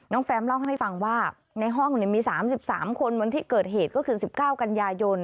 แฟรมเล่าให้ฟังว่าในห้องมี๓๓คนวันที่เกิดเหตุก็คือ๑๙กันยายน